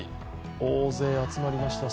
大勢集まりました。